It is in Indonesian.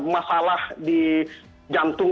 masalah di jantung